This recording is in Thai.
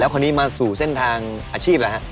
แล้วคนนี้มาสู่เส้นทางอาชีพอะไรฮะ